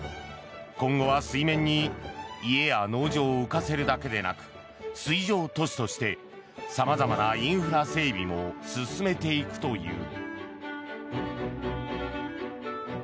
今後は水面に家や農場を浮かせるだけでなく水上都市として様々なインフラ整備も進めていくという。